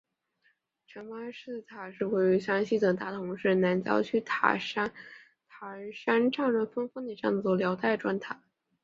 禅房寺塔是位于山西省大同市南郊区塔儿山丈人峰峰顶的一座辽代砖塔。